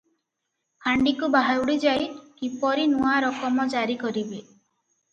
ଫାଣ୍ଡିକୁ ବାହୁଡି ଯାଇ କିପରି ନୂଆ ରକମ ଜାରି କରିବେ